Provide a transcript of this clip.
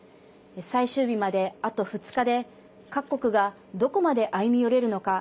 最終日まであと２日で各国がどこまで歩み寄れるのか。